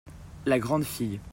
La grande fille.